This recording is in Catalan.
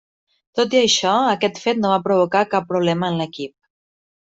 Tot i això aquest fet no va provocar cap problema en l'equip.